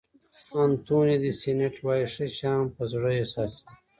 انتوني دي سېنټ وایي ښه شیان په زړه احساسېږي.